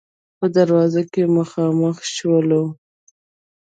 په دروازه کې مخامخ شولو.